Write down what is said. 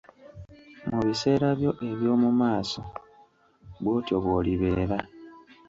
Mu biseera byo eby'omu maaso bw'otyo bw'olibeera.